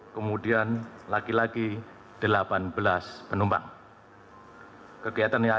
kegiatan lainnya yang dilakukan di rumah sakit syed sukanto ini adalah pendampingan psikologi yang sudah menangani satu ratus tiga puluh dua keluarga